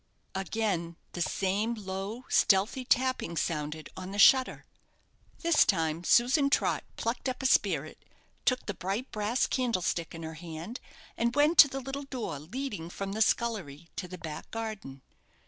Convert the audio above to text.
Again the same low, stealthy tapping sounded on the shutter. This time Susan Trott plucked up a spirit, took the bright brass candlestick in her hand, and went to the little door leading from the scullery to the back garden.